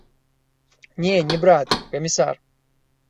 Не, не брат, камісар.